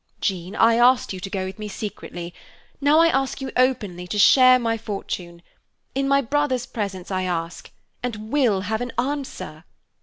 Jean, I asked you to go with me secretly; now I ask you openly to share my fortune. In my brother's presence I ask, and will have an answer."